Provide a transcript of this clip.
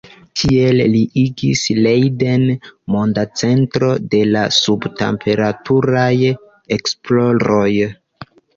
Tiel li igis Leiden monda centro de la sub-temperaturaj esploroj.